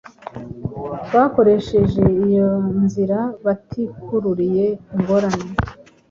bakoresheje iyo nzira batikururiye ingorane.